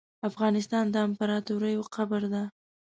افغانستان د امپراتوریو قبر ده .